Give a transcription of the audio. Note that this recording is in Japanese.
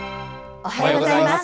おはようございます。